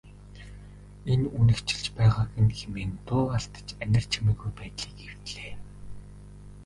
Энэ үнэгчилж байгааг нь хэмээн дуу алдаж анир чимээгүй байдлыг эвдлээ.